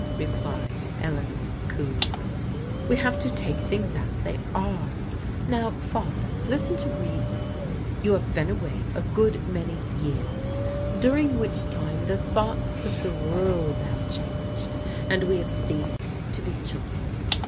" replied Eleanor coolly. " We have to take things as they are. Now, Father, listen to reason. You have been away a good many years, during which time the thoughts of the world have changed and we have ceased to be children.